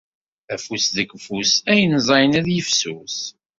Afus deg fus, ayen ẓẓayen ad yifsus.